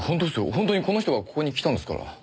本当にこの人がここに来たんですから。